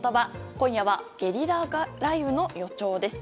今夜は、ゲリラ雷雨の予兆です。